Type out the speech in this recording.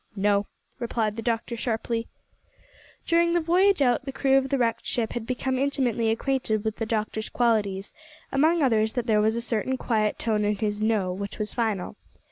"No," replied the doctor sharply. During the voyage out the crew of the wrecked ship had become intimately acquainted with the doctor's qualities, among others that there was a certain quiet tone in his "no" which was final.